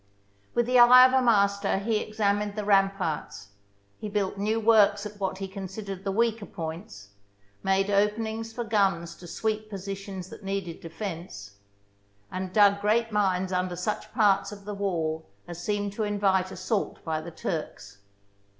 With the eye of a master, he examined the ramparts. He built new works at what he considered the weaker points, made openings for guns to sweep positions that needed defence, and dug great mines under such parts of the walls as seemed to invite assault bv the Turks.